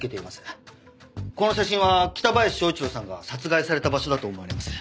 この写真は北林昭一郎さんが殺害された場所だと思われます。